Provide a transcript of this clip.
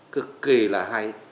cực kỳ là hay